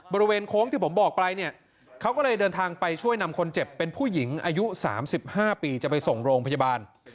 บริเวณโค้งที่ผมบอกไปเนี่ยเขาก็เลยเดินทางไปช่วยนำคนเจ็บเป็นผู้หญิงอายุ๓๕ปีจะไปส่งโรงพยาบาล